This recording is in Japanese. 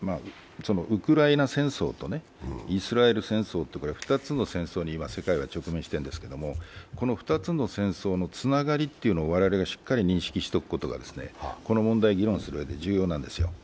ウクライナ戦争とね、イスラエル戦争の２つの戦争に今、世界は直面してるんですけど、この２つの戦争のつながりというものを我々がしっかり認識しておくことがこの問題を議論していく上で重要なんですよ。